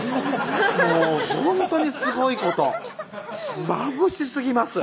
もうほんとにすごいことまぶしすぎます